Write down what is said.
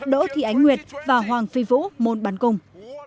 đỗ thị ánh nguyệt và hoàng phi vũ môn bắn cùng